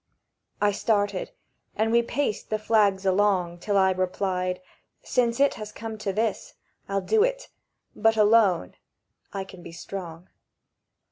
I started, and we paced the flags along Till I replied: "Since it has come to this I'll do it! But alone. I can be strong."